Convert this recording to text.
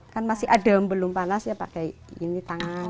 kan masih adem belum panas ya pakai ini tangan